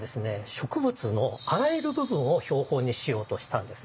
植物のあらゆる部分を標本にしようとしたんですね。